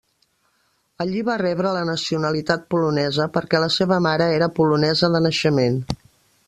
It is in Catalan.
Allí va rebre la nacionalitat polonesa, perquè la seva mare era polonesa de naixement.